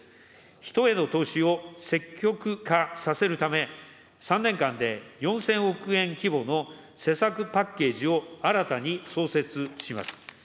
人への投資を積極化させるため、３年間で４０００億円規模の施策パッケージを新たに創設します。